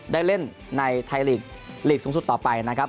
ได้เล่นในไทยลีกลีกสูงสุดต่อไปนะครับ